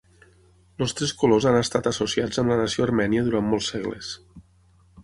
Els tres colors han estat associats amb la nació armènia durant molts segles.